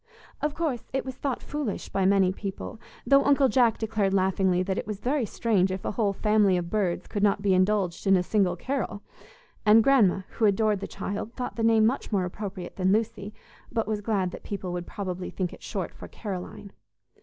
Of course, it was thought foolish by many people, though Uncle Jack declared laughingly that it was very strange if a whole family of Birds could not be indulged in a single Carol; and Grandma, who adored the child, thought the name much more appropriate than Lucy, but was glad that people would probably think it short for Caroline.